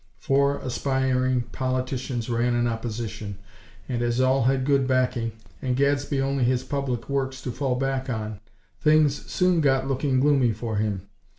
Four aspiring politicians ran in opposition; and, as all had good backing, and Gadsby only his public works to fall back on, things soon got looking gloomy for him.